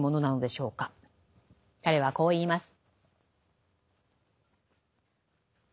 彼はこう言います。